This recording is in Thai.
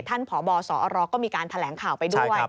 พบสอรก็มีการแถลงข่าวไปด้วย